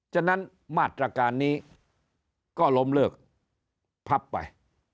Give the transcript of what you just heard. ฉะนั้นมาตรการนี้ก็ล้มเลิกพับไป